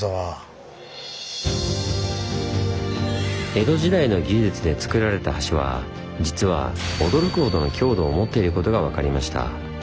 江戸時代の技術でつくられた橋は実は驚くほどの強度を持っていることが分かりました。